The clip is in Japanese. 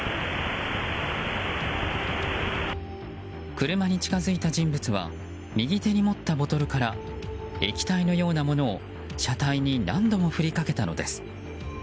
車に近づいた人物は右手に持ったボトルから液体のようなものを車体に何度も振りかけたのです。